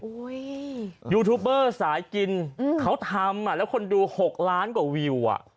ยูทูบเบอร์สายกินเขาทำอ่ะแล้วคนดู๖ล้านกว่าวิวอ่ะ